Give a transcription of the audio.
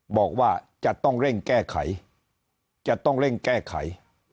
บอกว่าจะต้องเร่งแก้ไขจะต้องเร่งแก้ไข